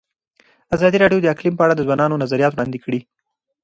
ازادي راډیو د اقلیم په اړه د ځوانانو نظریات وړاندې کړي.